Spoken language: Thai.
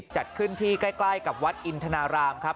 จัดขึ้นที่ใกล้กับวัดอินทนารามครับ